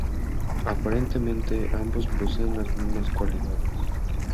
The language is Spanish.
Aparentemente ambos poseen las mismas "cualidades".